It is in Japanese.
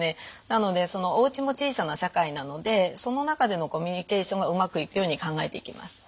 なのでそのおうちも小さな社会なのでその中でのコミュニケーションがうまくいくように考えていきます。